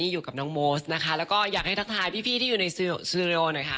อยู่กับน้องโมสนะคะแล้วก็อยากให้ทักทายพี่ที่อยู่ในสือเรลหน่อยค่ะ